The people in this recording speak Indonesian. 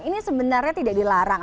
ini sebenarnya tidak dilarang